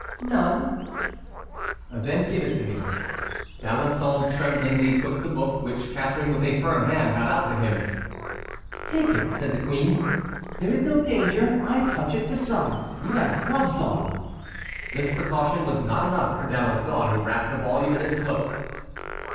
"None." "Then give it to me." D'Alençon tremblingly took the book, which Catharine with a firm hand held out to him. "Take it," said the queen, "there is no danger—I touch it; besides, you have gloves on." This precaution was not enough for D'Alençon, who wrapped the volume in his cloak.